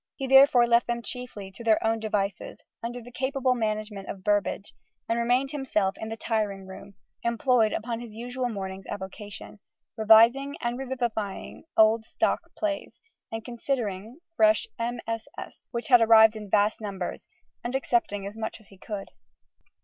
He therefore left them chiefly to their own devices, under the capable management of Burbage, and remained himself in the tiring room, employed upon his usual morning's avocation, revising and revivifying old "stock" plays, and considering fresh MSS., which arrived in vast numbers and accepting as much as he could.